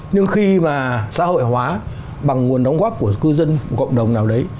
nhưng khi mà xã hội hóa bằng nguồn đóng góp của cư dân một cộng đồng nào đấy